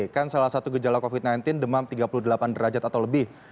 kan salah satu gejala covid sembilan belas demam tiga puluh delapan derajat atau lebih